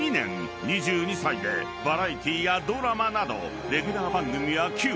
［２２歳でバラエティーやドラマなどレギュラー番組は９本］